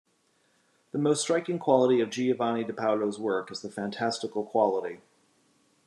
The most striking quality of Giovanni di Paolo's work is the fantastical quality.